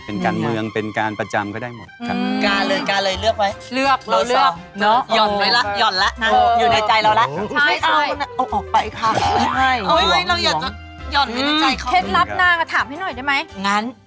เป็นการเมืองเป็นการประจำก็ได้หมดครับ